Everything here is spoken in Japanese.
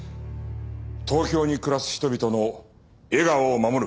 東京に暮らす人々の笑顔を守る。